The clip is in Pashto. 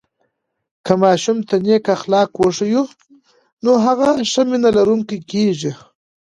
که ماشوم ته نیک اخلاق وښیو، نو هغه ښه مینه لرونکی کېږي.